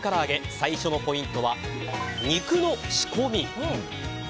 最初のポイントは肉の仕込み。